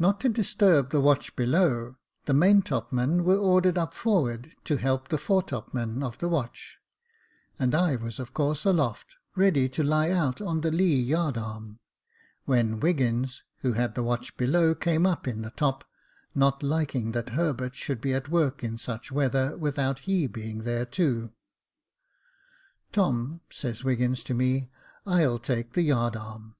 Not to disturb the watch below, the main top men were ordered up forward, to help the fore top men of the watch 5 and I was of course aloft, ready to lie out on the lee yard arm — when Wiggins, who had the watch below, came up in the top, not liking that Herbert should be at work in such weather, without he being there too. "' Tom,' says Wiggins to me, * I'll take the yard arm.'